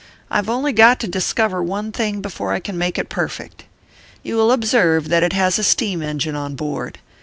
I have only got to discover one thing before I can make it perfect. You will observe that it has a steam engine on board.